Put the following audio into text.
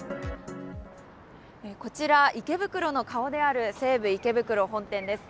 こちら、池袋の顔である西武池袋本店です。